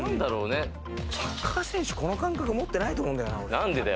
サッカー選手、この感覚持ってないと思うんだよな。